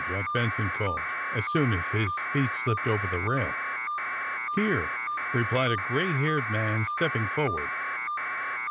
Jack Benson called, as soon as his feet slipped over the rail. ^^Here/' replied a gray haired man, stepping forward.